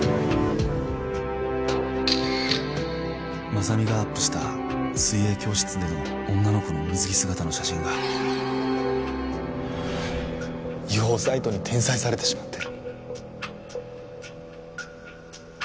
雅美がアップした水泳教室での女の子の水着姿の写真が違法サイトに転載されてしまって。